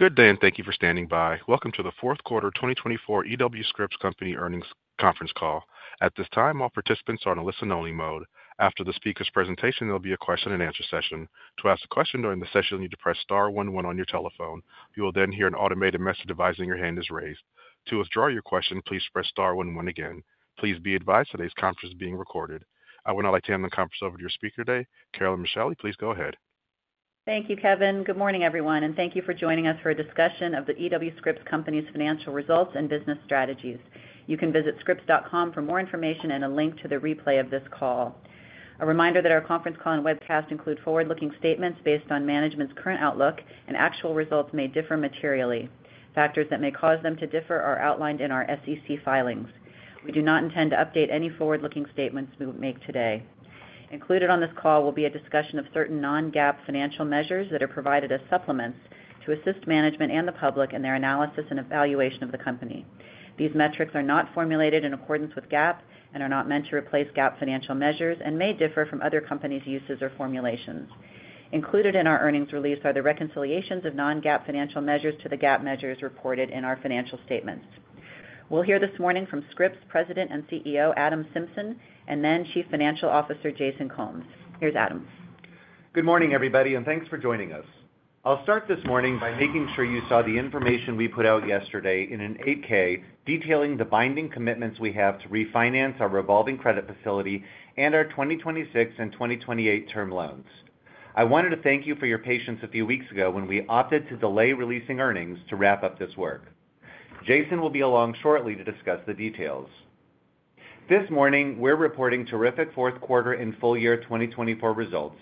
Good day, and thank you for standing by. Welcome to the fourth quarter 2024 E.W. Scripps Company earnings conference call. At this time, all participants are in a listen-only mode. After the speaker's presentation, there'll be a question-and-answer session. To ask a question during the session, you need to press star one one on your telephone. You will then hear an automated message advising your hand is raised. To withdraw your question, please press star one one again. Please be advised today's conference is being recorded. I would now like to hand the conference over to your speaker today, Carolyn Micheli. Please go ahead. Thank you, Kevin. Good morning, everyone, and thank you for joining us for a discussion of the E.W. Scripps Company's financial results and business strategies. You can visit scripps.com for more information and a link to the replay of this call. A reminder that our conference call and webcast include forward-looking statements based on management's current outlook, and actual results may differ materially. Factors that may cause them to differ are outlined in our SEC filings. We do not intend to update any forward-looking statements we make today. Included on this call will be a discussion of certain non-GAAP financial measures that are provided as supplements to assist management and the public in their analysis and evaluation of the company. These metrics are not formulated in accordance with GAAP and are not meant to replace GAAP financial measures and may differ from other companies' uses or formulations. Included in our earnings release are the reconciliations of non-GAAP financial measures to the GAAP measures reported in our financial statements. We'll hear this morning from Scripps President and CEO Adam Symson, and then Chief Financial Officer Jason Combs. Here's Adam. Good morning, everybody, and thanks for joining us. I'll start this morning by making sure you saw the information we put out yesterday in an 8-K detailing the binding commitments we have to refinance our revolving credit facility and our 2026 and 2028 term loans. I wanted to thank you for your patience a few weeks ago when we opted to delay releasing earnings to wrap up this work. Jason will be along shortly to discuss the details. This morning, we're reporting terrific fourth quarter and full year 2024 results,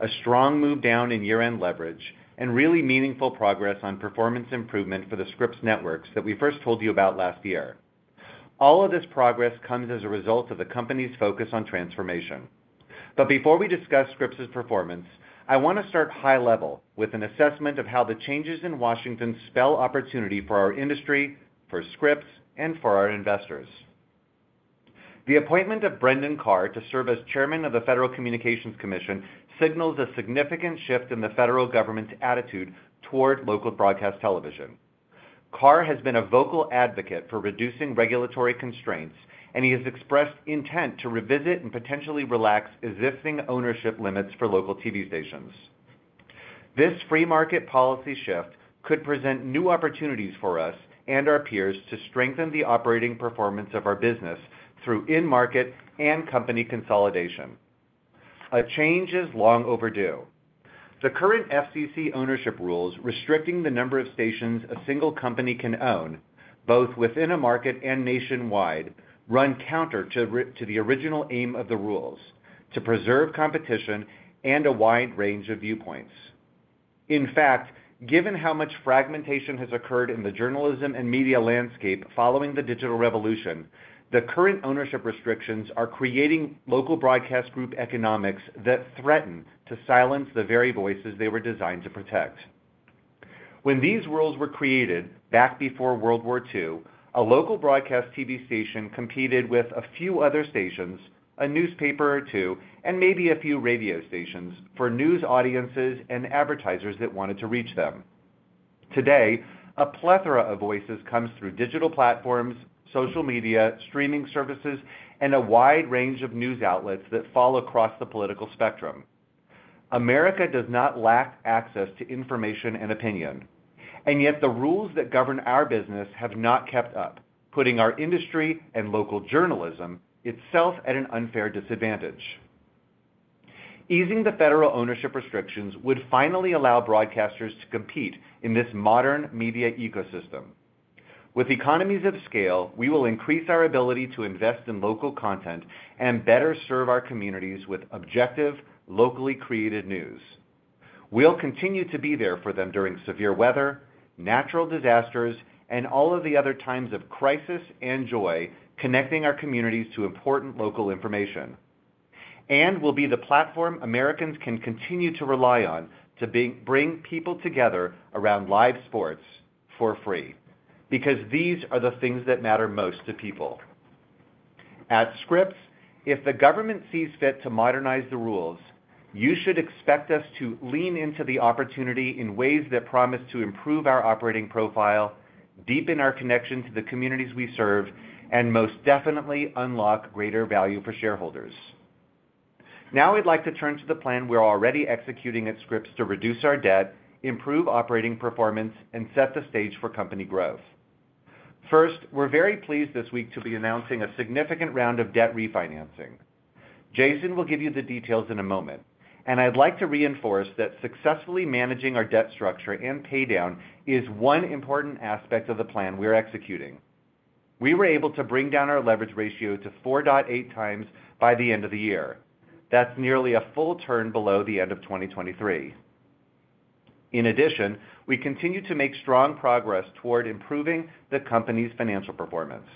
a strong move down in year-end leverage, and really meaningful progress on performance improvement for the Scripps networks that we first told you about last year. All of this progress comes as a result of the company's focus on transformation. Before we discuss Scripps's performance, I want to start high level with an assessment of how the changes in Washington spell opportunity for our industry, for Scripps, and for our investors. The appointment of Brendan Carr to serve as Chairman of the Federal Communications Commission signals a significant shift in the federal government's attitude toward local broadcast television. Carr has been a vocal advocate for reducing regulatory constraints, and he has expressed intent to revisit and potentially relax existing ownership limits for local TV stations. This free-market policy shift could present new opportunities for us and our peers to strengthen the operating performance of our business through in-market and company consolidation. A change is long overdue. The current FCC ownership rules restricting the number of stations a single company can own, both within a market and nationwide, run counter to the original aim of the rules: to preserve competition and a wide range of viewpoints. In fact, given how much fragmentation has occurred in the journalism and media landscape following the digital revolution, the current ownership restrictions are creating local broadcast group economics that threaten to silence the very voices they were designed to protect. When these rules were created back before World War II, a local broadcast TV station competed with a few other stations, a newspaper or two, and maybe a few radio stations for news audiences and advertisers that wanted to reach them. Today, a plethora of voices comes through digital platforms, social media, streaming services, and a wide range of news outlets that fall across the political spectrum. America does not lack access to information and opinion, and yet the rules that govern our business have not kept up, putting our industry and local journalism itself at an unfair disadvantage. Easing the federal ownership restrictions would finally allow broadcasters to compete in this modern media ecosystem. With economies of scale, we will increase our ability to invest in local content and better serve our communities with objective, locally created news. We'll continue to be there for them during severe weather, natural disasters, and all of the other times of crisis and joy, connecting our communities to important local information, and will be the platform Americans can continue to rely on to bring people together around live sports for free, because these are the things that matter most to people. At Scripps, if the government sees fit to modernize the rules, you should expect us to lean into the opportunity in ways that promise to improve our operating profile, deepen our connection to the communities we serve, and most definitely unlock greater value for shareholders. Now I'd like to turn to the plan we're already executing at Scripps to reduce our debt, improve operating performance, and set the stage for company growth. First, we're very pleased this week to be announcing a significant round of debt refinancing. Jason will give you the details in a moment, and I'd like to reinforce that successfully managing our debt structure and paydown is one important aspect of the plan we're executing. We were able to bring down our leverage ratio to 4.8 times by the end of the year. That's nearly a full turn below the end of 2023. In addition, we continue to make strong progress toward improving the company's financial performance.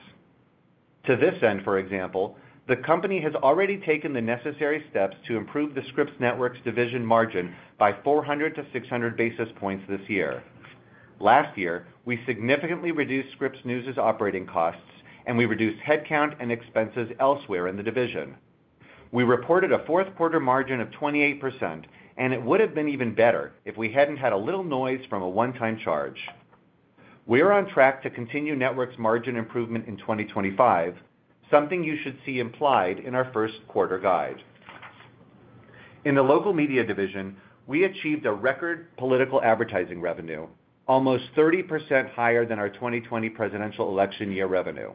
To this end, for example, the company has already taken the necessary steps to improve the Scripps Networks division margin by 400-600 basis points this year. Last year, we significantly reduced Scripps News' operating costs, and we reduced headcount and expenses elsewhere in the division. We reported a fourth quarter margin of 28%, and it would have been even better if we had not had a little noise from a one-time charge. We are on track to continue networks margin improvement in 2025, something you should see implied in our first quarter guide. In the local media division, we achieved a record political advertising revenue, almost 30% higher than our 2020 presidential election year revenue.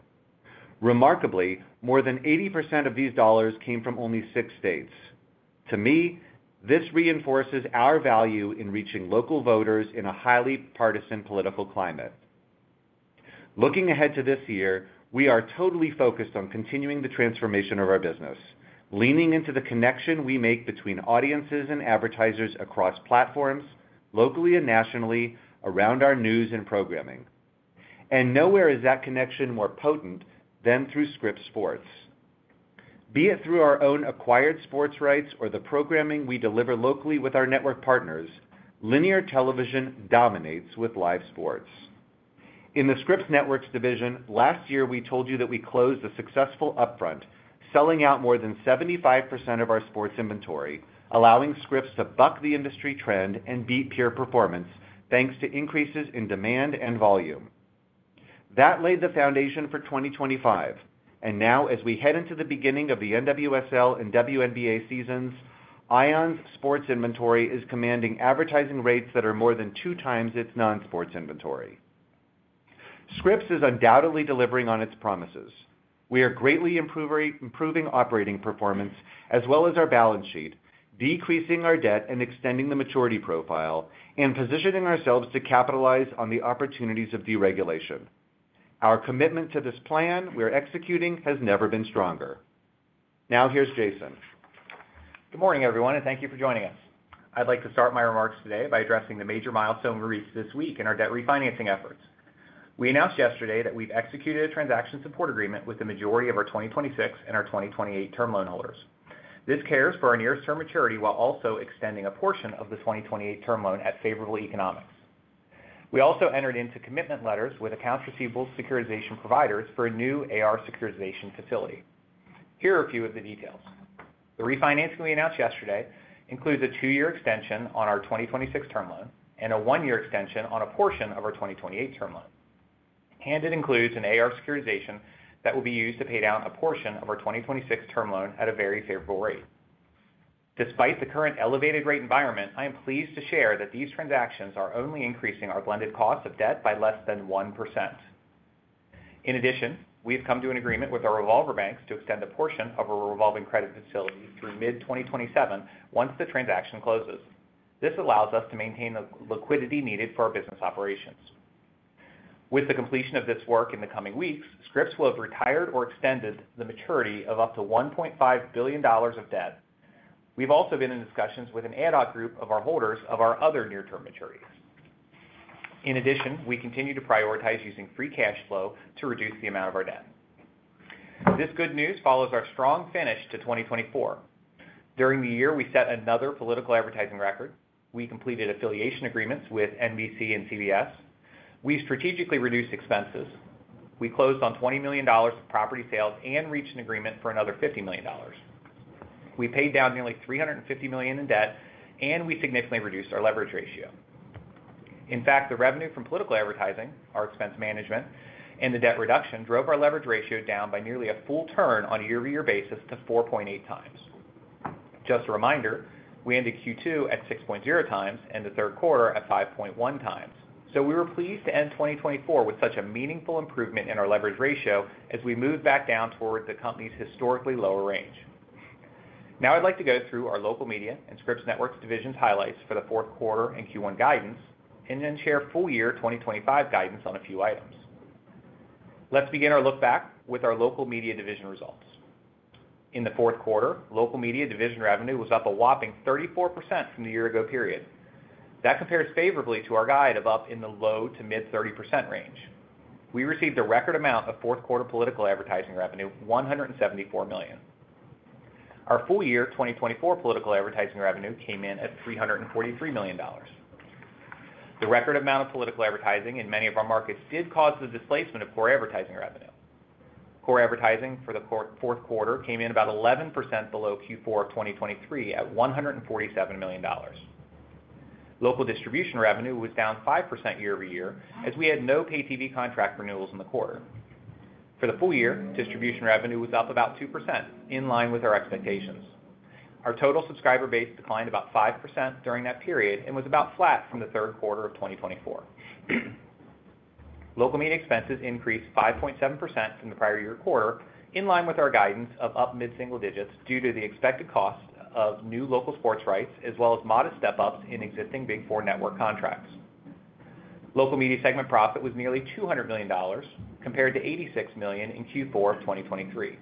Remarkably, more than 80% of these dollars came from only six states. To me, this reinforces our value in reaching local voters in a highly partisan political climate. Looking ahead to this year, we are totally focused on continuing the transformation of our business, leaning into the connection we make between audiences and advertisers across platforms, locally and nationally, around our news and programming. Nowhere is that connection more potent than through Scripps Sports. Be it through our own acquired sports rights or the programming we deliver locally with our network partners, linear television dominates with live sports. In the Scripps Networks division, last year we told you that we closed a successful upfront, selling out more than 75% of our sports inventory, allowing Scripps to buck the industry trend and beat peer performance, thanks to increases in demand and volume. That laid the foundation for 2025, and now as we head into the beginning of the NWSL and WNBA seasons, ION's sports inventory is commanding advertising rates that are more than two times its non-sports inventory. Scripps is undoubtedly delivering on its promises. We are greatly improving operating performance as well as our balance sheet, decreasing our debt and extending the maturity profile, and positioning ourselves to capitalize on the opportunities of deregulation. Our commitment to this plan we're executing has never been stronger. Now here's Jason. Good morning, everyone, and thank you for joining us. I'd like to start my remarks today by addressing the major milestone we reached this week in our debt refinancing efforts. We announced yesterday that we've executed a transaction support agreement with the majority of our 2026 and our 2028 term loan holders. This cares for our nearest term maturity while also extending a portion of the 2028 term loan at favorable economics. We also entered into commitment letters with accounts receivable securitization providers for a new AR securitization facility. Here are a few of the details. The refinancing we announced yesterday includes a two-year extension on our 2026 term loan and a one-year extension on a portion of our 2028 term loan. It includes an AR securitization that will be used to pay down a portion of our 2026 term loan at a very favorable rate. Despite the current elevated rate environment, I am pleased to share that these transactions are only increasing our blended cost of debt by less than 1%. In addition, we've come to an agreement with our revolver banks to extend a portion of our revolving credit facility through mid-2027 once the transaction closes. This allows us to maintain the liquidity needed for our business operations. With the completion of this work in the coming weeks, Scripps will have retired or extended the maturity of up to $1.5 billion of debt. We've also been in discussions with an ad hoc group of our holders of our other near-term maturities. In addition, we continue to prioritize using free cash flow to reduce the amount of our debt. This good news follows our strong finish to 2024. During the year, we set another political advertising record. We completed affiliation agreements with NBC and CBS. We strategically reduced expenses. We closed on $20 million of property sales and reached an agreement for another $50 million. We paid down nearly $350 million in debt, and we significantly reduced our leverage ratio. In fact, the revenue from political advertising, our expense management, and the debt reduction drove our leverage ratio down by nearly a full turn on a year-to-year basis to 4.8 times. Just a reminder, we ended Q2 at 6.0 times and the third quarter at 5.1 times. We were pleased to end 2024 with such a meaningful improvement in our leverage ratio as we moved back down toward the company's historically lower range. Now I'd like to go through our local media and Scripps Networks divisions highlights for the fourth quarter and Q1 guidance, and then share full year 2025 guidance on a few items. Let's begin our look back with our local media division results. In the fourth quarter, local media division revenue was up a whopping 34% from the year-ago period. That compares favorably to our guide of up in the low to mid-30% range. We received a record amount of fourth quarter political advertising revenue, $174 million. Our full year 2024 political advertising revenue came in at $343 million. The record amount of political advertising in many of our markets did cause the displacement of core advertising revenue. Core advertising for the fourth quarter came in about 11% below Q4 of 2023 at $147 million. Local distribution revenue was down 5% year-over-year as we had no pay-TV contract renewals in the quarter. For the full year, distribution revenue was up about 2%, in line with our expectations. Our total subscriber base declined about 5% during that period and was about flat from the third quarter of 2024. Local media expenses increased 5.7% from the prior year quarter, in line with our guidance of up mid-single digits due to the expected cost of new local sports rights as well as modest step-ups in existing Big Four network contracts. Local media segment profit was nearly $200 million, compared to $86 million in Q4 of 2023.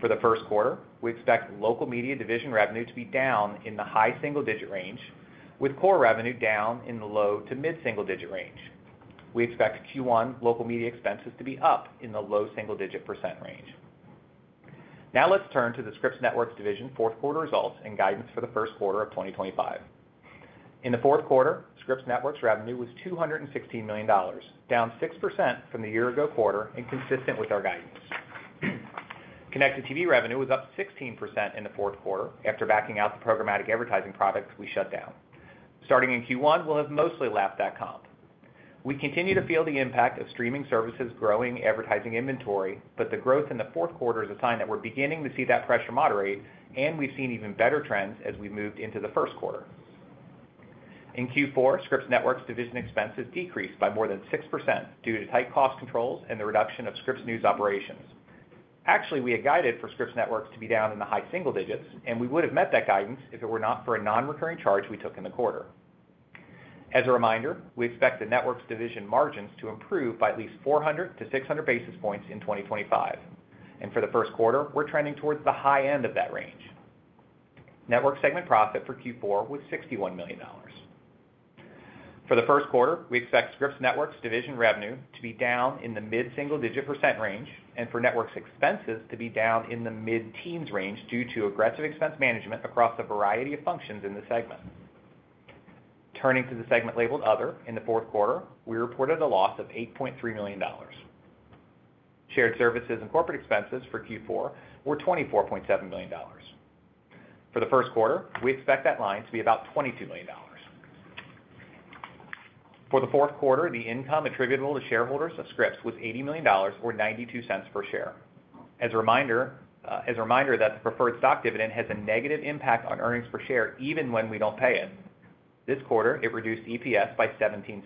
For the first quarter, we expect local media division revenue to be down in the high single-digit range, with core revenue down in the low to mid-single-digit range. We expect Q1 local media expenses to be up in the low single-digit percent range. Now let's turn to the Scripps Networks division fourth quarter results and guidance for the first quarter of 2025. In the fourth quarter, Scripps Networks' revenue was $216 million, down 6% from the year-ago quarter and consistent with our guidance. Connected TV revenue was up 16% in the fourth quarter after backing out the programmatic advertising products we shut down. Starting in Q1, we'll have mostly lapped that comp. We continue to feel the impact of streaming services growing advertising inventory, but the growth in the fourth quarter is a sign that we're beginning to see that pressure moderate, and we've seen even better trends as we've moved into the first quarter. In Q4, Scripps Networks division expenses decreased by more than 6% due to tight cost controls and the reduction of Scripps News operations. Actually, we had guided for Scripps Network to be down in the high single digits, and we would have met that guidance if it were not for a non-recurring charge we took in the quarter. As a reminder, we expect the network's division margins to improve by at least 400-600 basis points in 2025. For the first quarter, we're trending towards the high end of that range. Network segment profit for Q4 was $61 million. For the first quarter, we expect Scripps Network's division revenue to be down in the mid-single digit % range, and for network's expenses to be down in the mid-teens % range due to aggressive expense management across a variety of functions in the segment. Turning to the segment labeled Other in the fourth quarter, we reported a loss of $8.3 million. Shared services and corporate expenses for Q4 were $24.7 million. For the first quarter, we expect that line to be about $22 million. For the fourth quarter, the income attributable to shareholders of Scripps was $80 million or $0.92 per share. As a reminder that the preferred stock dividend has a negative impact on earnings per share even when we do not pay it, this quarter it reduced EPS by $0.17.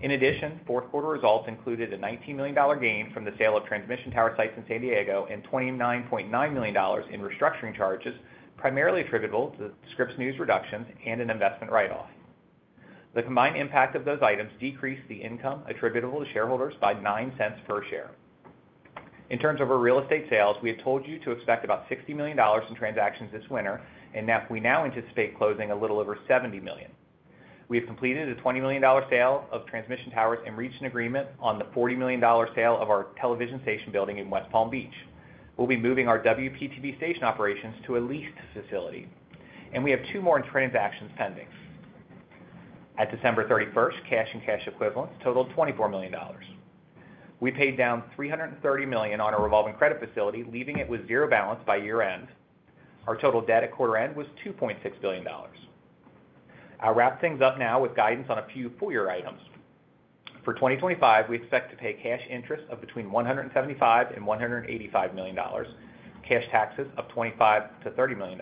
In addition, fourth quarter results included a $19 million gain from the sale of transmission tower sites in San Diego and $29.9 million in restructuring charges, primarily attributable to the Scripps News reductions and an investment write-off. The combined impact of those items decreased the income attributable to shareholders by $0.09 per share. In terms of our real estate sales, we had told you to expect about $60 million in transactions this winter, and we now anticipate closing a little over $70 million. We have completed a $20 million sale of transmission towers and reached an agreement on the $40 million sale of our television station building in West Palm Beach. We'll be moving our WPTV station operations to a leased facility, and we have two more transactions pending. At December 31, cash and cash equivalents totaled $24 million. We paid down $330 million on our revolving credit facility, leaving it with zero balance by year-end. Our total debt at quarter-end was $2.6 billion. I'll wrap things up now with guidance on a few full year items. For 2025, we expect to pay cash interest of between $175-$185 million, cash taxes of $25-$30 million,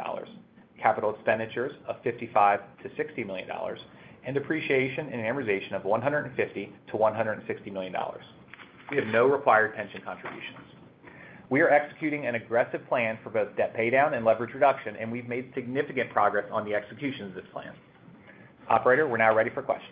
capital expenditures of $55-$60 million, and depreciation and amortization of $150-$160 million. We have no required pension contributions. We are executing an aggressive plan for both debt paydown and leverage reduction, and we've made significant progress on the execution of this plan. Operator, we're now ready for questions.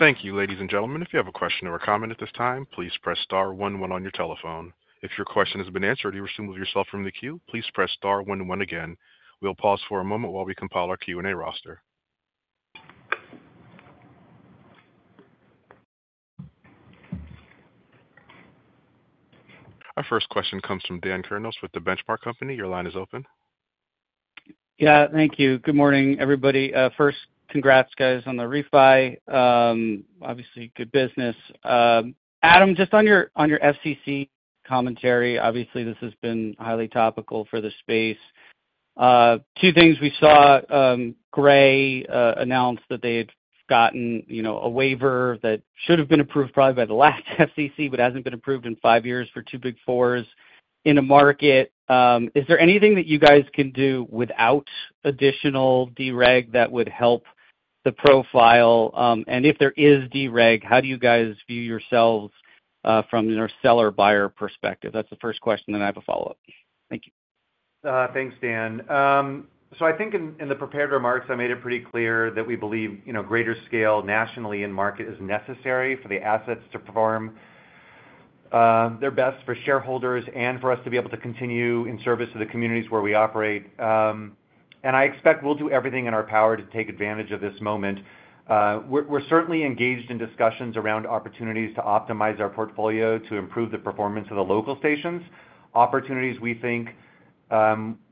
Thank you, ladies and gentlemen. If you have a question or a comment at this time, please press star one one on your telephone. If your question has been answered or you wish to remove yourself from the queue, please press star one one again. We'll pause for a moment while we compile our Q&A roster. Our first question comes from Dan Kurnos with Benchmark Company. Your line is open. Yeah, thank you. Good morning, everybody. First, congrats, guys, on the refi. Obviously, good business. Adam, just on your FCC commentary, obviously this has been highly topical for the space. Two things we saw. Gray announced that they had gotten a waiver that should have been approved probably by the last FCC, but has not been approved in five years for two Big Fours in a market. Is there anything that you guys can do without additional dereg that would help the profile? If there is dereg, how do you guys view yourselves from your seller-buyer perspective? That is the first question. I have a follow-up. Thank you. Thanks, Dan. I think in the prepared remarks, I made it pretty clear that we believe greater scale nationally in market is necessary for the assets to perform their best for shareholders and for us to be able to continue in service of the communities where we operate. I expect we'll do everything in our power to take advantage of this moment. We're certainly engaged in discussions around opportunities to optimize our portfolio to improve the performance of the local stations, opportunities we think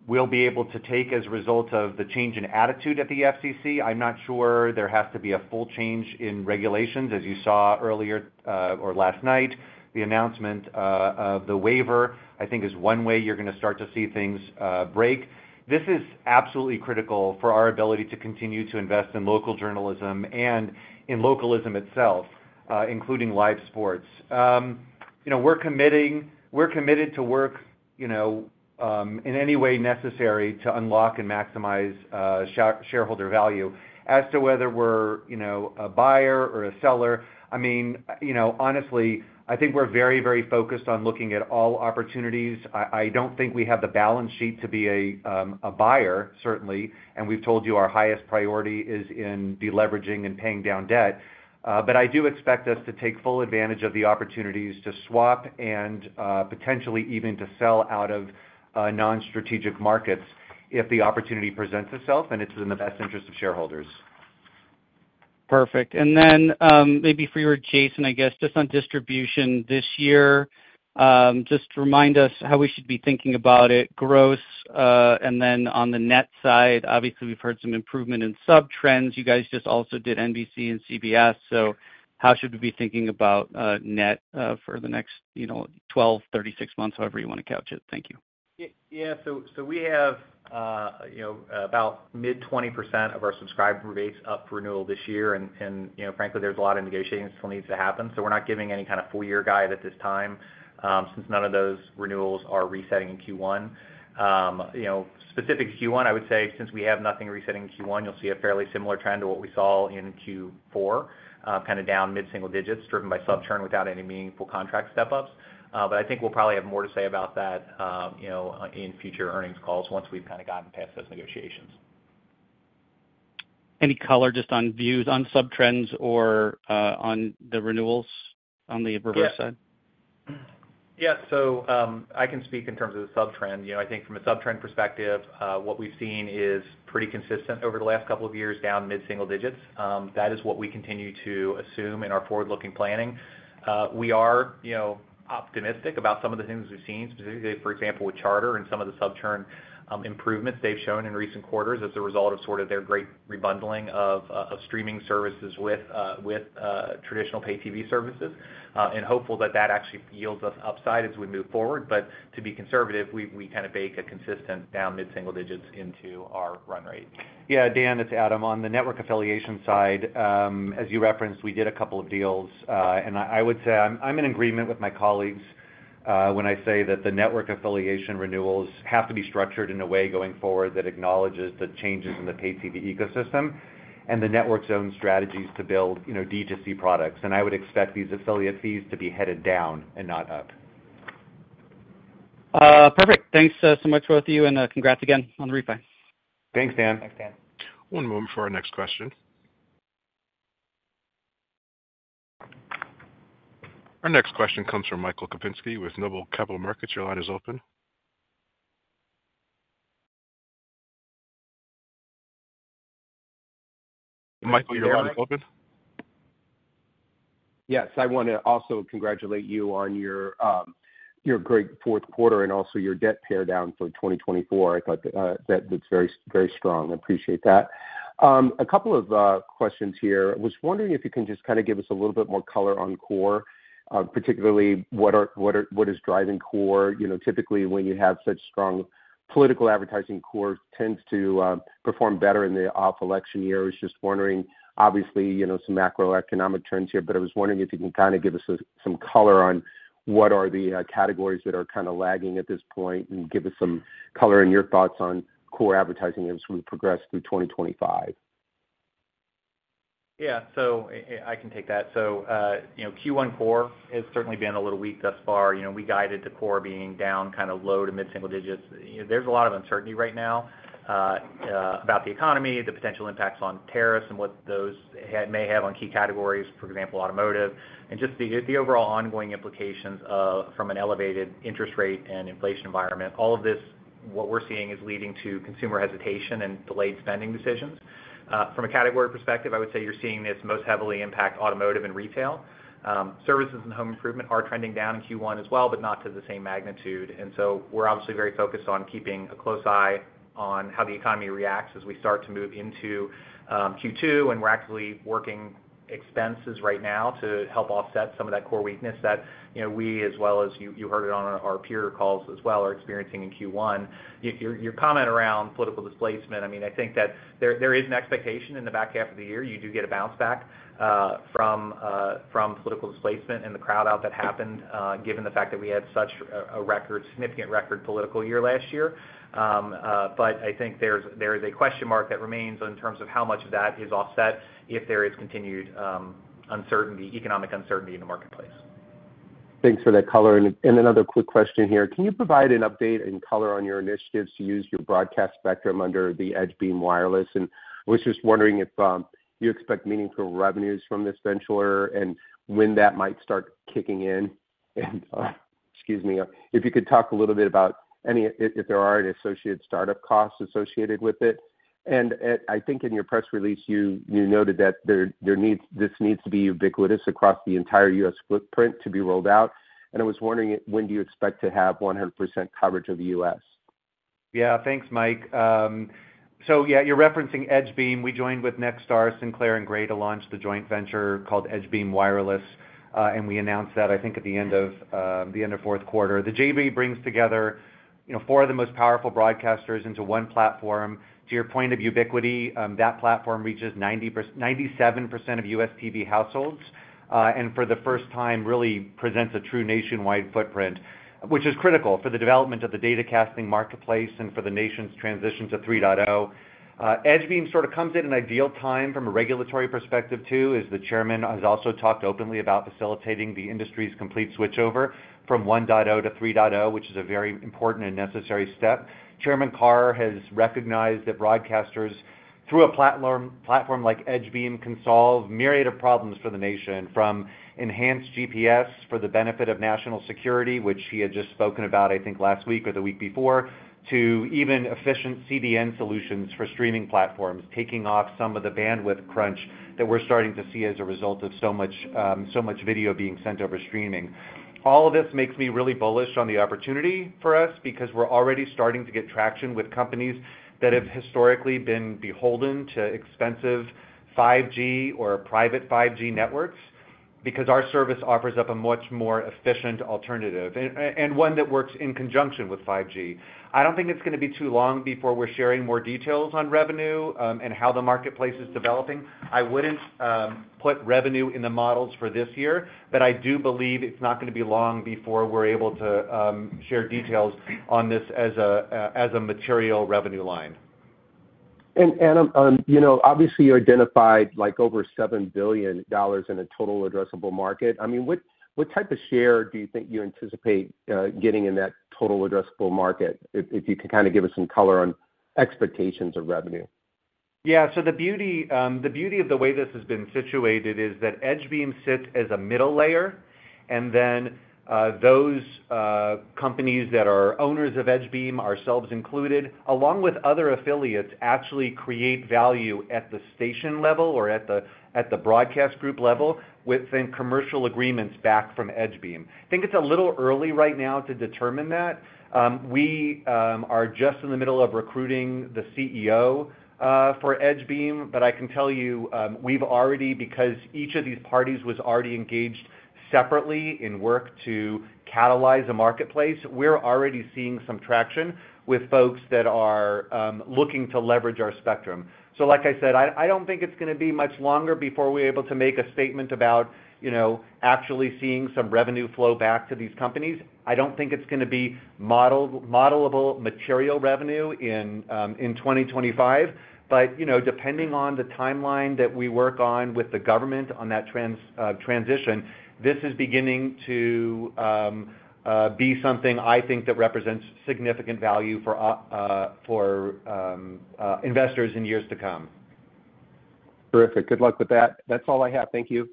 we'll be able to take as a result of the change in attitude at the FCC. I'm not sure there has to be a full change in regulations, as you saw earlier or last night. The announcement of the waiver, I think, is one way you're going to start to see things break. This is absolutely critical for our ability to continue to invest in local journalism and in localism itself, including live sports. We're committed to work in any way necessary to unlock and maximize shareholder value. As to whether we're a buyer or a seller, I mean, honestly, I think we're very, very focused on looking at all opportunities. I don't think we have the balance sheet to be a buyer, certainly. We've told you our highest priority is in deleveraging and paying down debt. I do expect us to take full advantage of the opportunities to swap and potentially even to sell out of non-strategic markets if the opportunity presents itself and it's in the best interest of shareholders. Perfect. Maybe for you, Jason, just on distribution this year, just remind us how we should be thinking about it, gross. On the net side, obviously, we've heard some improvement in subtrends. You guys just also did NBC and CBS. How should we be thinking about net for the next 12-36 months, however you want to couch it? Thank you. Yeah, we have about mid-20% of our subscriber rates up for renewal this year. Frankly, there's a lot of negotiating that still needs to happen. We're not giving any kind of full year guide at this time since none of those renewals are resetting in Q1. Specific to Q1, I would say since we have nothing resetting in Q1, you'll see a fairly similar trend to what we saw in Q4, kind of down mid-single digits driven by subturn without any meaningful contract step-ups. I think we'll probably have more to say about that in future earnings calls once we've kind of gotten past those negotiations. Any color just on views on subtrends or on the renewals on the reverse side? Yeah. I can speak in terms of the subtrend. I think from a subtrend perspective, what we've seen is pretty consistent over the last couple of years, down mid-single digits. That is what we continue to assume in our forward-looking planning. We are optimistic about some of the things we've seen, specifically, for example, with Charter and some of the subturn improvements they've shown in recent quarters as a result of sort of their great rebundling of streaming services with traditional pay-TV services. Hopeful that that actually yields us upside as we move forward. To be conservative, we kind of bake a consistent down mid-single digits into our run rate. Yeah, Dan, it's Adam. On the network affiliation side, as you referenced, we did a couple of deals. I would say I'm in agreement with my colleagues when I say that the network affiliation renewals have to be structured in a way going forward that acknowledges the changes in the pay-TV ecosystem and the network's own strategies to build D2C products. I would expect these affiliate fees to be headed down and not up. Perfect. Thanks so much, both of you. Congrats again on the refi. Thanks, Dan. One moment for our next question. Our next question comes from Michael Kupinski with Noble Capital Markets. Your line is open. Michael, your line is open. Yes. I want to also congratulate you on your great fourth quarter and also your debt pared down for 2024. I thought that's very strong. I appreciate that. A couple of questions here. I was wondering if you can just kind of give us a little bit more color on core, particularly what is driving core. Typically, when you have such strong political advertising, core tends to perform better in the off-election years. Just wondering, obviously, some macroeconomic trends here. I was wondering if you can kind of give us some color on what are the categories that are kind of lagging at this point and give us some color in your thoughts on core advertising as we progress through 2025. Yeah. I can take that. Q1 core has certainly been a little weak thus far. We guided to core being down kind of low to mid-single digits. There is a lot of uncertainty right now about the economy, the potential impacts on tariffs and what those may have on key categories, for example, automotive, and just the overall ongoing implications from an elevated interest rate and inflation environment. All of this, what we are seeing is leading to consumer hesitation and delayed spending decisions. From a category perspective, I would say you are seeing this most heavily impact automotive and retail. Services and home improvement are trending down in Q1 as well, but not to the same magnitude. We're obviously very focused on keeping a close eye on how the economy reacts as we start to move into Q2, and we're actively working expenses right now to help offset some of that core weakness that we, as well as you heard it on our peer calls as well, are experiencing in Q1. Your comment around political displacement, I mean, I think that there is an expectation in the back half of the year. You do get a bounce back from political displacement and the crowd out that happened, given the fact that we had such a record, significant record political year last year. I think there is a question mark that remains in terms of how much of that is offset if there is continued uncertainty, economic uncertainty in the marketplace. Thanks for that color. Another quick question here. Can you provide an update in color on your initiatives to use your broadcast spectrum under the EdgeBeam Wireless? I was just wondering if you expect meaningful revenues from this venture and when that might start kicking in. Excuse me, if you could talk a little bit about if there are any associated startup costs associated with it. I think in your press release, you noted that this needs to be ubiquitous across the entire U.S. footprint to be rolled out. I was wondering, when do you expect to have 100% coverage of the U.S.? Yeah. Thanks, Mike. Yeah, you're referencing EdgeBeam. We joined with Nexstar, Sinclair, and Gray to launch the joint venture called EdgeBeam Wireless. We announced that, I think, at the end of the fourth quarter. The J.V. brings together four of the most powerful broadcasters into one platform. To your point of ubiquity, that platform reaches 97% of U.S. TV households and for the first time really presents a true nationwide footprint, which is critical for the development of the data casting marketplace and for the nation's transition to 3.0. EdgeBeam sort of comes at an ideal time from a regulatory perspective too, as the Chairman has also talked openly about facilitating the industry's complete switchover from 1.0 to 3.0, which is a very important and necessary step. Chairman Carr has recognized that broadcasters through a platform like EdgeBeam can solve a myriad of problems for the nation, from enhanced GPS for the benefit of national security, which he had just spoken about, I think, last week or the week before, to even efficient CDN solutions for streaming platforms, taking off some of the bandwidth crunch that we're starting to see as a result of so much video being sent over streaming. All of this makes me really bullish on the opportunity for us because we're already starting to get traction with companies that have historically been beholden to expensive 5G or private 5G networks because our service offers up a much more efficient alternative and one that works in conjunction with 5G. I don't think it's going to be too long before we're sharing more details on revenue and how the marketplace is developing. I would not put revenue in the models for this year, but I do believe it is not going to be long before we are able to share details on this as a material revenue line. Adam, obviously, you identified over $7 billion in a total addressable market. I mean, what type of share do you think you anticipate getting in that total addressable market if you can kind of give us some color on expectations of revenue? Yeah. The beauty of the way this has been situated is that EdgeBeam sits as a middle layer, and then those companies that are owners of EdgeBeam, ourselves included, along with other affiliates, actually create value at the station level or at the broadcast group level with commercial agreements back from EdgeBeam. I think it's a little early right now to determine that. We are just in the middle of recruiting the CEO for EdgeBeam, but I can tell you we've already, because each of these parties was already engaged separately in work to catalyze a marketplace, we're already seeing some traction with folks that are looking to leverage our spectrum. Like I said, I don't think it's going to be much longer before we're able to make a statement about actually seeing some revenue flow back to these companies. I don't think it's going to be modelable material revenue in 2025. Depending on the timeline that we work on with the government on that transition, this is beginning to be something I think that represents significant value for investors in years to come. Terrific. Good luck with that. That's all I have. Thank you.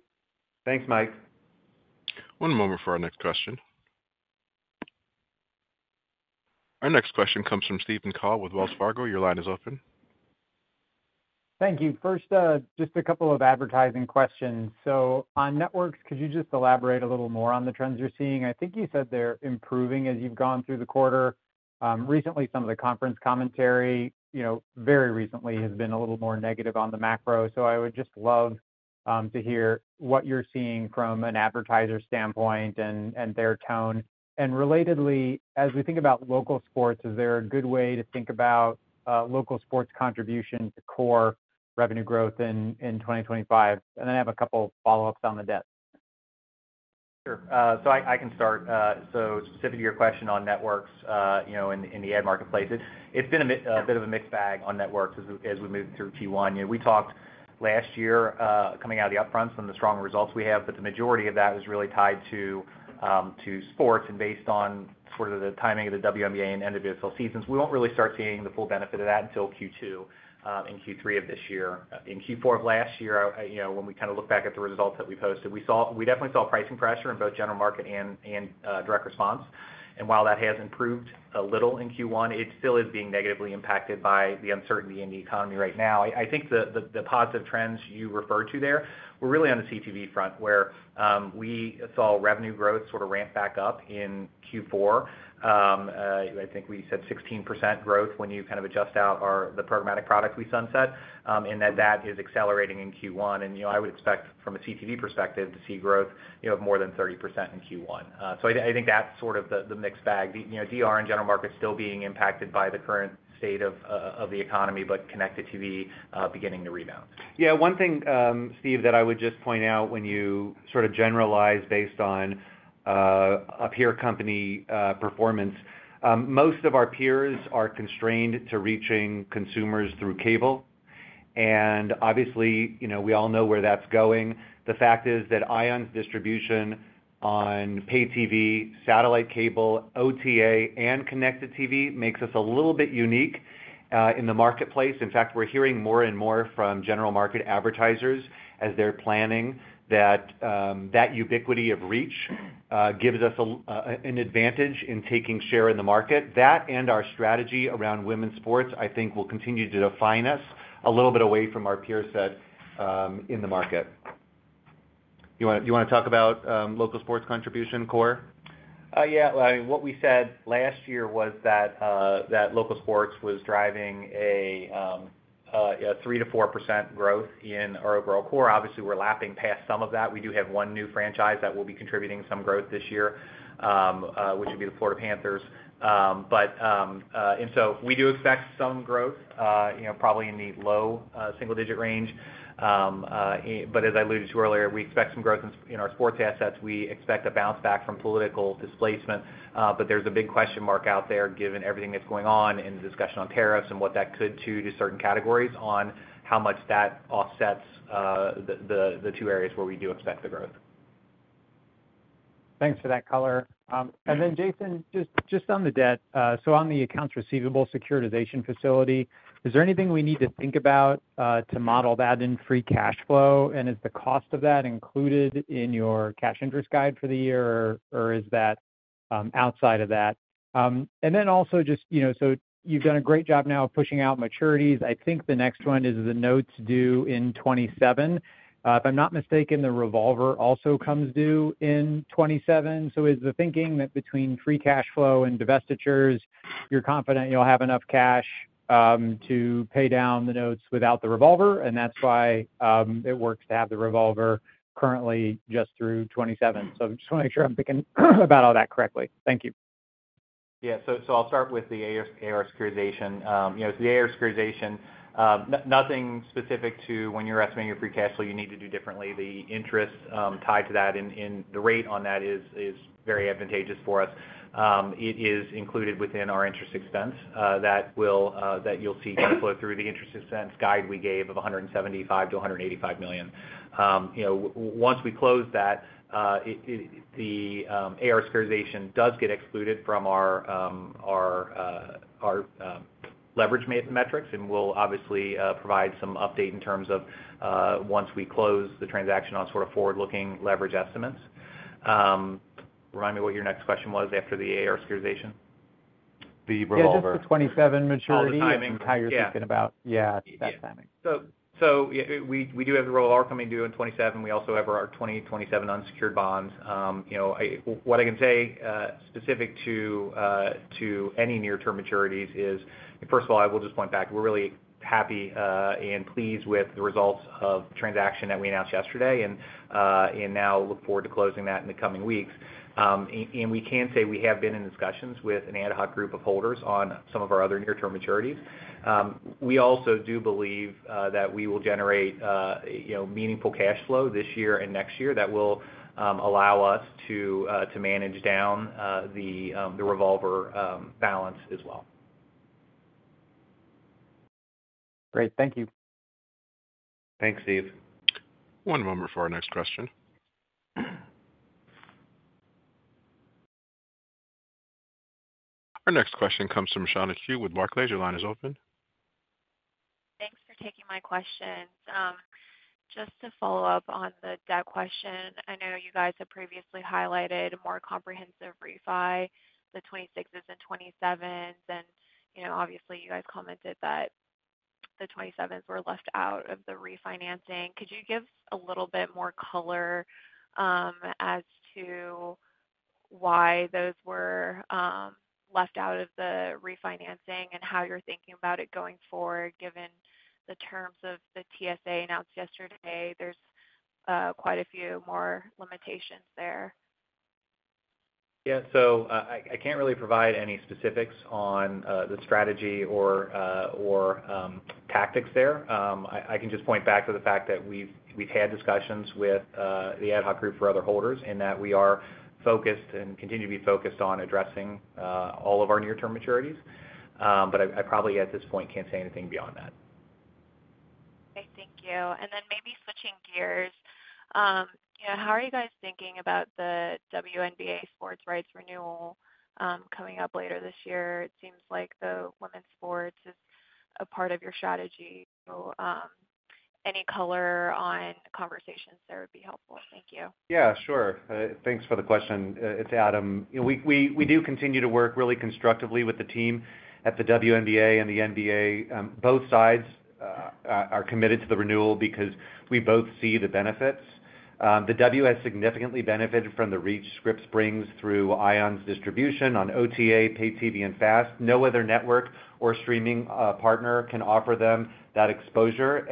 Thanks, Mike. One moment for our next question. Our next question comes from Steven Cahall with Wells Fargo. Your line is open. Thank you. First, just a couple of advertising questions. On networks, could you just elaborate a little more on the trends you're seeing? I think you said they're improving as you've gone through the quarter. Recently, some of the conference commentary, very recently, has been a little more negative on the macro. I would just love to hear what you're seeing from an advertiser standpoint and their tone. Relatedly, as we think about local sports, is there a good way to think about local sports contribution to core revenue growth in 2025? I have a couple of follow-ups on the debt. Sure. I can start. Specific to your question on networks in the ad marketplace, it has been a bit of a mixed bag on networks as we moved through Q1. We talked last year coming out of the upfront from the strong results we have, but the majority of that was really tied to sports. Based on the timing of the WNBA and NWSL seasons, we will not really start seeing the full benefit of that until Q2 and Q3 of this year. In Q4 of last year, when we look back at the results that we posted, we definitely saw pricing pressure in both general market and direct response. While that has improved a little in Q1, it still is being negatively impacted by the uncertainty in the economy right now. I think the positive trends you refer to there, we're really on the CTV front where we saw revenue growth sort of ramp back up in Q4. I think we said 16% growth when you kind of adjust out the programmatic product we sunset, and that that is accelerating in Q1. I would expect from a CTV perspective to see growth of more than 30% in Q1. I think that's sort of the mixed bag. DR and general markets still being impacted by the current state of the economy, but connected TV beginning to rebound. Yeah. One thing, Steve, that I would just point out when you sort of generalize based on a peer company performance, most of our peers are constrained to reaching consumers through cable. Obviously, we all know where that's going. The fact is that ION's distribution on pay-TV, satellite cable, OTA, and connected TV makes us a little bit unique in the marketplace. In fact, we're hearing more and more from general market advertisers as they're planning that that ubiquity of reach gives us an advantage in taking share in the market. That and our strategy around women's sports, I think, will continue to define us a little bit away from our peer set in the market. You want to talk about local sports contribution core? Yeah. What we said last year was that local sports was driving a 3-4% growth in our overall core. Obviously, we're lapping past some of that. We do have one new franchise that will be contributing some growth this year, which would be the Florida Panthers. We do expect some growth, probably in the low single-digit range. As I alluded to earlier, we expect some growth in our sports assets. We expect a bounce back from political displacement. There is a big question mark out there given everything that is going on in the discussion on tariffs and what that could do to certain categories on how much that offsets the two areas where we do expect the growth. Thanks for that color. Jason, just on the debt, on the accounts receivable securitization facility, is there anything we need to think about to model that in free cash flow? Is the cost of that included in your cash interest guide for the year, or is that outside of that? You have done a great job now of pushing out maturities. I think the next one is the note due in 2027. If I am not mistaken, the revolver also comes due in 2027. Is the thinking that between free cash flow and divestitures, you are confident you will have enough cash to pay down the notes without the revolver? That is why it works to have the revolver currently just through 2027. I just want to make sure I am thinking about all that correctly. Thank you. Yeah. I'll start with the AR securitization. The AR securitization, nothing specific to when you're estimating your free cash flow you need to do differently. The interest tied to that and the rate on that is very advantageous for us. It is included within our interest expense that you'll see flow through the interest expense guide we gave of $175 million-$185 million. Once we close that, the AR securitization does get excluded from our leverage metrics, and we'll obviously provide some update in terms of once we close the transaction on sort of forward-looking leverage estimates. Remind me what your next question was after the AR securitization. The revolver. Yeah. The 2027 maturity. We do have the revolver coming due in 2027. We also have our 2027 unsecured bonds. What I can say specific to any near-term maturities is, first of all, I will just point back. We are really happy and pleased with the results of the transaction that we announced yesterday and now look forward to closing that in the coming weeks. We can say we have been in discussions with an ad hoc group of holders on some of our other near-term maturities. We also do believe that we will generate meaningful cash flow this year and next year that will allow us to manage down the revolver balance as well. Great. Thank you. Thanks, Steve. One moment for our next question. Our next question comes from Shawna Seldon with Mark Lazer. Line is open. Thanks for taking my question. Just to follow up on the debt question, I know you guys have previously highlighted a more comprehensive refi, the 26s and 27s. Obviously, you guys commented that the 27s were left out of the refinancing. Could you give a little bit more color as to why those were left out of the refinancing and how you're thinking about it going forward, given the terms of the TSA announced yesterday? There's quite a few more limitations there. Yeah. I can't really provide any specifics on the strategy or tactics there. I can just point back to the fact that we've had discussions with the ad hoc group for other holders and that we are focused and continue to be focused on addressing all of our near-term maturities. I probably at this point can't say anything beyond that. Okay. Thank you. Maybe switching gears, how are you guys thinking about the WNBA sports rights renewal coming up later this year? It seems like the women's sports is a part of your strategy. Any color on conversations there would be helpful. Thank you. Yeah. Sure. Thanks for the question. It's Adam. We do continue to work really constructively with the team at the WNBA and the NBA. Both sides are committed to the renewal because we both see the benefits. The W has significantly benefited from the reach Scripps brings through ION's distribution on OTA, pay-TV, and FAST. No other network or streaming partner can offer them that exposure.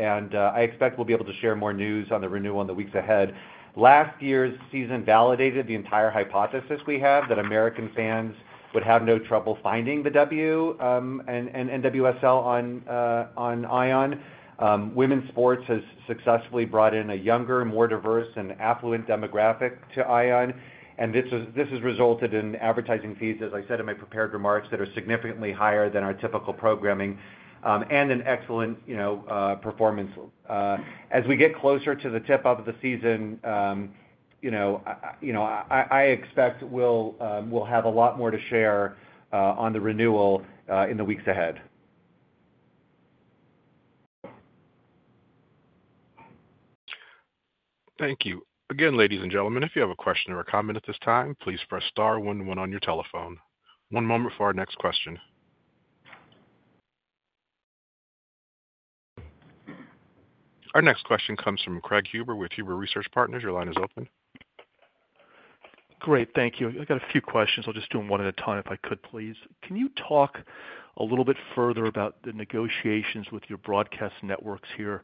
I expect we'll be able to share more news on the renewal in the weeks ahead. Last year's season validated the entire hypothesis we had that American fans would have no trouble finding the W and NWSL on ION. Women's sports has successfully brought in a younger, more diverse, and affluent demographic to ION. This has resulted in advertising fees, as I said in my prepared remarks, that are significantly higher than our typical programming and an excellent performance. As we get closer to the tip of the season, I expect we'll have a lot more to share on the renewal in the weeks ahead. Thank you. Again, ladies and gentlemen, if you have a question or a comment at this time, please press star one one on your telephone. One moment for our next question. Our next question comes from Craig Huber with Huber Research Partners. Your line is open. Great. Thank you. I got a few questions. I'll just do them one at a time if I could, please. Can you talk a little bit further about the negotiations with your broadcast networks here?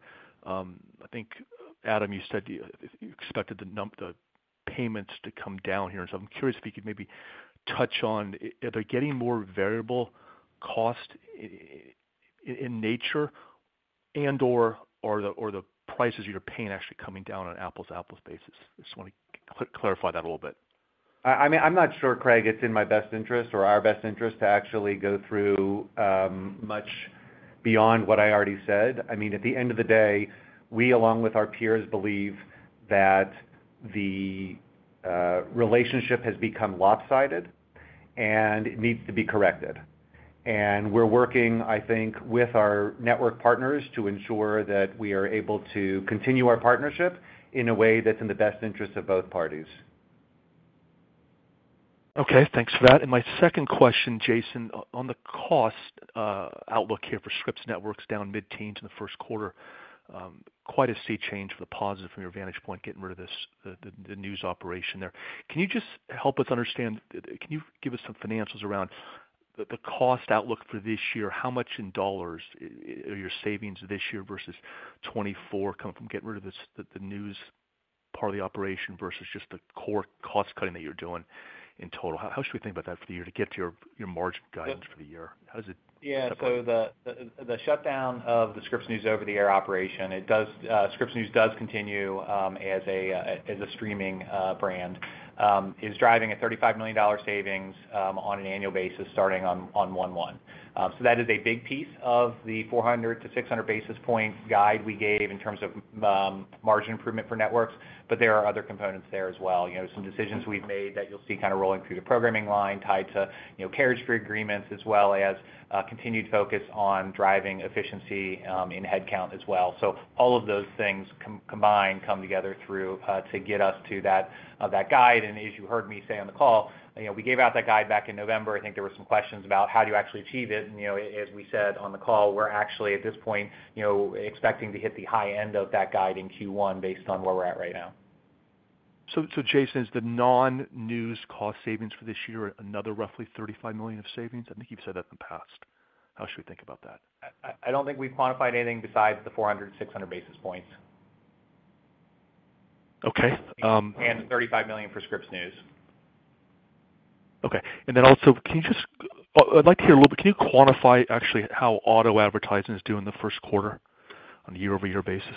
I think, Adam, you said you expected the payments to come down here. I am curious if you could maybe touch on, are they getting more variable cost in nature and/or are the prices you're paying actually coming down on apples-to-apples basis? I just want to clarify that a little bit. I mean, I'm not sure, Craig, it's in my best interest or our best interest to actually go through much beyond what I already said. I mean, at the end of the day, we, along with our peers, believe that the relationship has become lopsided and needs to be corrected. We're working, I think, with our network partners to ensure that we are able to continue our partnership in a way that's in the best interest of both parties. Okay. Thanks for that. My second question, Jason, on the cost outlook here for Scripps Networks down mid-teens in the first quarter, quite a sea change for the positive from your vantage point, getting rid of the news operation there. Can you just help us understand? Can you give us some financials around the cost outlook for this year? How much in dollars are your savings this year versus 2024 coming from getting rid of the news part of the operation versus just the core cost cutting that you're doing in total? How should we think about that for the year to get to your margin guidance for the year? How does it? Yeah. So the shutdown of the Scripps News over-the-air operation, Scripps News does continue as a streaming brand, is driving a $35 million savings on an annual basis starting on 2024. That is a big piece of the 400 to 600 basis point guide we gave in terms of margin improvement for networks. There are other components there as well. Some decisions we've made that you'll see kind of rolling through the programming line tied to carriage fee agreements as well as continued focus on driving efficiency in headcount as well. All of those things combined come together to get us to that guide. As you heard me say on the call, we gave out that guide back in November. I think there were some questions about how do you actually achieve it. As we said on the call, we're actually at this point expecting to hit the high end of that guide in Q1 based on where we're at right now. Jason, is the non-news cost savings for this year another roughly $35 million of savings? I think you've said that in the past. How should we think about that? I don't think we've quantified anything besides the 400-600 basis points. Okay. The $35 million for Scripps News. Okay. I would like to hear a little bit. Can you quantify actually how auto advertising is doing the first quarter on a year-over-year basis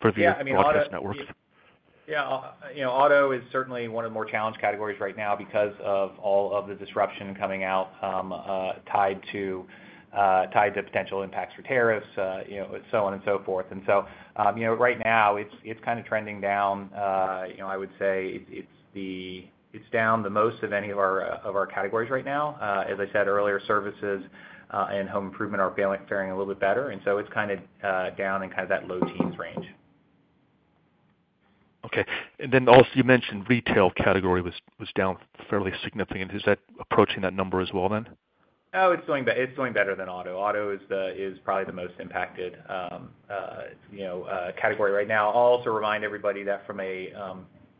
for the broadcast networks? Yeah. I mean, yeah, auto is certainly one of the more challenged categories right now because of all of the disruption coming out tied to potential impacts for tariffs, so on and so forth. Right now, it's kind of trending down. I would say it's down the most of any of our categories right now. As I said earlier, services and home improvement are faring a little bit better. It's kind of down in that low teens range. Okay. You mentioned retail category was down fairly significantly. Is that approaching that number as well then? Oh, it's going better than auto. Auto is probably the most impacted category right now. I'll also remind everybody that from a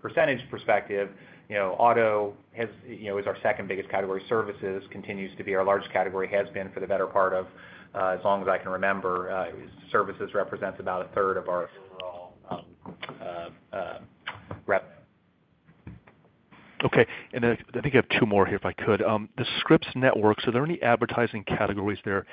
percentage perspective, auto is our second biggest category. Services continues to be our largest category, has been for the better part of as long as I can remember. Services represents about a third of our overall revenue. Okay. I think I have two more here if I could. The Scripps Networks, are there any advertising categories there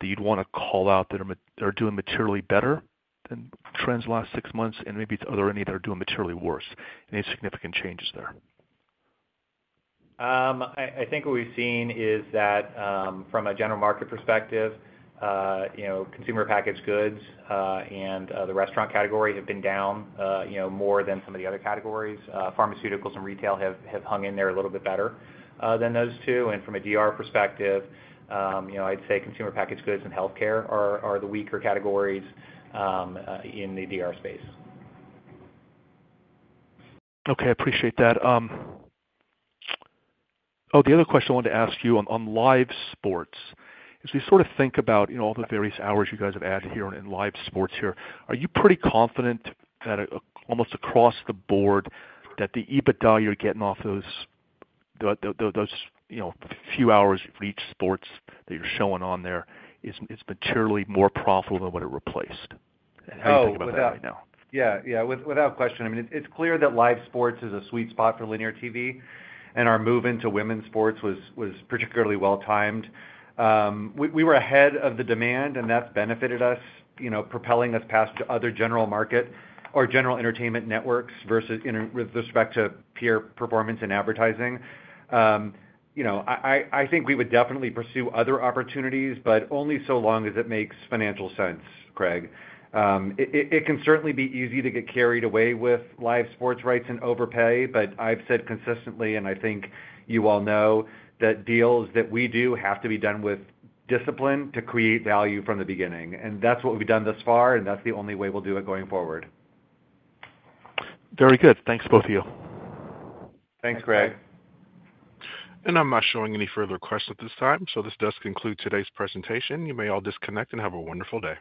that you'd want to call out that are doing materially better than trends last six months? Maybe are there any that are doing materially worse? Any significant changes there? I think what we've seen is that from a general market perspective, consumer packaged goods and the restaurant category have been down more than some of the other categories. Pharmaceuticals and retail have hung in there a little bit better than those two. From a DR perspective, I'd say consumer packaged goods and healthcare are the weaker categories in the DR space. Okay. I appreciate that. The other question I wanted to ask you on live sports is we sort of think about all the various hours you guys have added here in live sports here. Are you pretty confident that almost across the board that the EBITDA you're getting off those few hours for each sports that you're showing on there is materially more profitable than what it replaced? How do you think about that right now? Yeah. Yeah. Without question. I mean, it's clear that live sports is a sweet spot for linear TV. And our move into women's sports was particularly well-timed. We were ahead of the demand, and that's benefited us, propelling us past other general market or general entertainment networks with respect to peer performance and advertising. I think we would definitely pursue other opportunities, but only so long as it makes financial sense, Craig. It can certainly be easy to get carried away with live sports rights and overpay, but I've said consistently, and I think you all know, that deals that we do have to be done with discipline to create value from the beginning. And that's what we've done thus far, and that's the only way we'll do it going forward. Very good. Thanks both of you. Thanks, Craig. I am not showing any further questions at this time. This does conclude today's presentation. You may all disconnect and have a wonderful day.